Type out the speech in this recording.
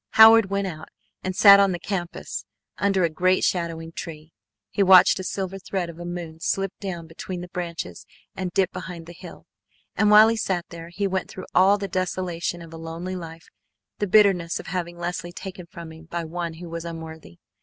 Howard went out and sat on the campus under a great shadowing tree. He watched a silver thread of a moon slip down between the branches and dip behind the hill, and while he sat there he went through all the desolation of a lonely life; the bitterness of having Leslie taken from him by one who was unworthy!